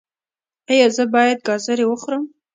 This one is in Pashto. ایا زه باید ګازرې وخورم؟